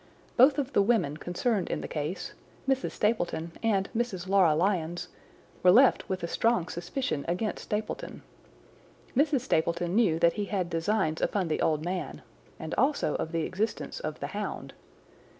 Both of the women concerned in the case, Mrs. Stapleton and Mrs. Laura Lyons, were left with a strong suspicion against Stapleton. Mrs. Stapleton knew that he had designs upon the old man, and also of the existence of the hound.